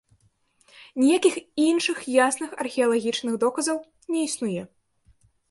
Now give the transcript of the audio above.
Ніякіх іншых ясных археалагічных доказаў не існуе.